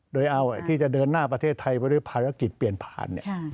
โดยเอาที่จะเดินหน้าประเทศไทยไปด้วยภารกิจเปลี่ยนผ่าน